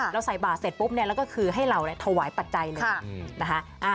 เราใส่บาทเสร็จปุ๊บแล้วก็คือให้เราเนี่ยถวายปัจจัยเลย